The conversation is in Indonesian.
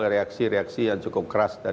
dan ada reaksi reaksi yang cukup keras